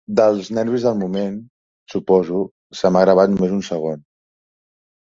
Dels nervis del moment, suposo, se m'ha gravat només un segon.